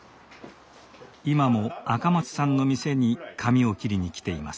今も赤松さんの店に髪を切りに来ています。